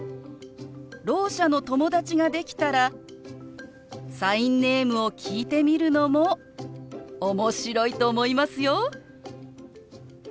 ろう者の友達ができたらサインネームを聞いてみるのも面白いと思いますよ。